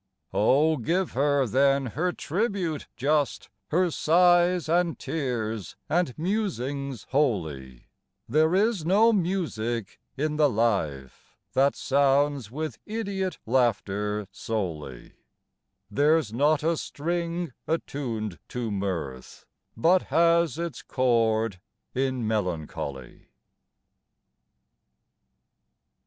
O give her, then, her tribute just, Her sighs and tears, and musings holy; There is no music in the life That sounds with idiot laughter solely; There's not a string attuned to mirth, But has its chord in Melancholy.